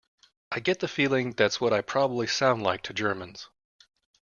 I get the feeling that's what I probably sound like to Germans.